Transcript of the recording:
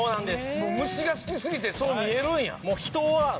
もう虫が好きすぎてそう見えるんや。